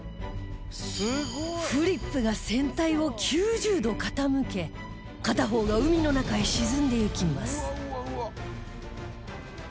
フリップが船体を９０度傾け片方が海の中へ沈んでいきます